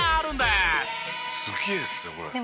「すげえっすねこれ」